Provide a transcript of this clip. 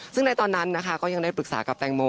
ซึ่งในตอนนั้นนะคะก็ยังได้ปรึกษากับแตงโม